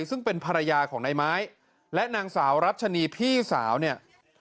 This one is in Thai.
ซึ่งเป็นภรรยาของนายไม้และนางสาวรัชนีพี่สาวเนี่ย